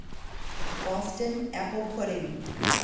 Boston Apple Pudding.